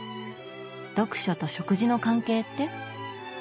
読書と食事の関係って？